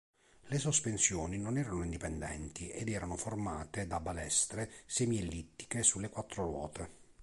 Le sospensioni non erano indipendenti ed erano formate da balestre semiellittiche sulle quattro ruote.